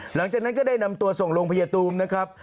หลังจากนั้นก็ได้นำตัวส่งโรงพยาบาลตูมนะครับ